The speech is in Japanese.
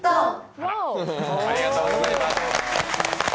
ありがとうございます。